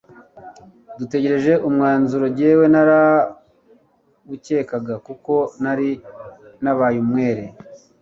dutegereje umwanzuro jyewe narawukekaga kuko nari nabaye umwere